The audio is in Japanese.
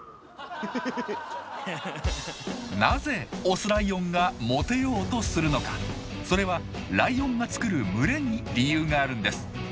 なぜオスライオンがモテようとするのかそれはライオンが作る群れに理由があるんです。